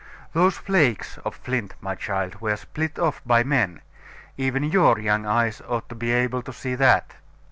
Those flakes of flint, my child, were split off by men; even your young eyes ought to be able to see that.